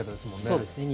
そうですね。